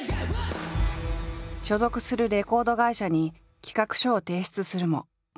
所属するレコード会社に企画書を提出するも門前払い。